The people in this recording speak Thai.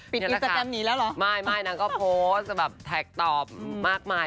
อินสตาแกรมหนีแล้วเหรอไม่ไม่นางก็โพสต์แบบแท็กตอบมากมาย